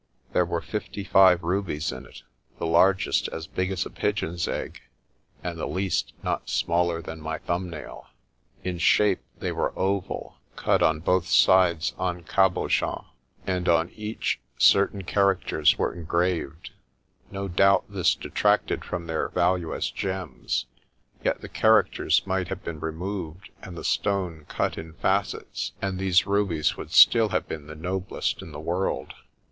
There were fifty five rubies in it, the largest as big as a pigeon's egg, and the least not smaller than my thumb nail. In shape they were oval, cut on both sides en cabochon, and on each certain characters were engraved. No doubt this detracted from their value as gems, yet the characters might have been removed and the stone cut in facets, and these rubies would still have been the noblest in the world.